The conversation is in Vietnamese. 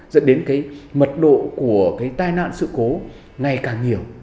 dẫn đến mật độ của tai nạn sự cố ngày càng nhiều